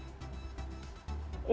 atau bagaimana selama masa pandemi ini